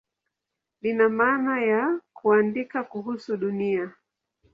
Lina maana ya "kuandika kuhusu Dunia".